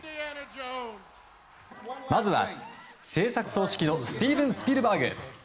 まずは、製作総指揮のスティーブン・スピルバーグ。